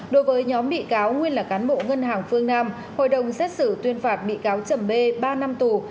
đối với nhóm bị cáo nguyên là cán bộ ngân hàng phương nam hội đồng xét xử tuyên phạt bị cáo chầm bê ba năm tù